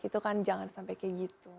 itu kan jangan sampai kayak gitu